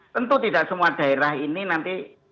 tentu tidak semua daerah ini nanti